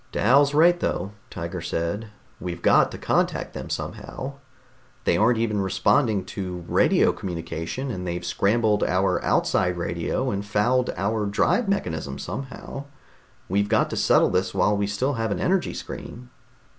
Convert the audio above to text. "Dal's right, though," Tiger said. "We've got to contact them somehow. They aren't even responding to radio communication, and they've scrambled our outside radio and fouled our drive mechanism somehow. We've got to settle this while we still have an energy screen."